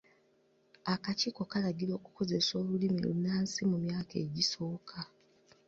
Akakiiko kalagira okukozesa Olulimi olunaansi mu myaka egisoooka.